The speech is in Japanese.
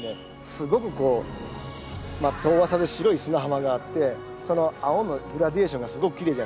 すごくこう遠浅で白い砂浜があってその青のグラデーションがすごくきれいじゃないですか。